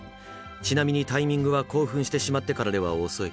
ちなみにタイミングは興奮してしまってからでは遅い。